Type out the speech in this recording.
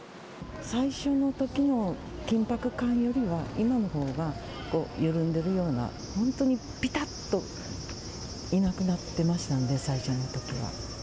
最初のときの緊迫感よりは、今のほうが緩んでるような、本当にぴたっといなくなってましたんで、最初のときは。